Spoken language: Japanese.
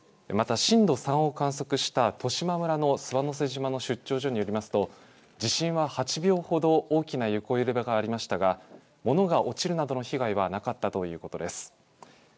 また震度３を観測した十島村の諏訪之瀬島の出張所によりますと地震は８秒ほど大きな横揺れがありましたが物が落ちるなどの被害はなかったということです。